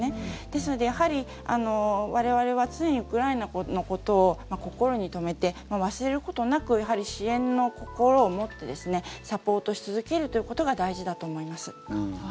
ですので、我々は常にウクライナのことを心に留めて、忘れることなく支援の心を持ってサポートし続けることが大事だと思います。